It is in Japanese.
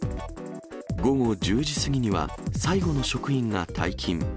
午後１０時過ぎには、最後の職員が退勤。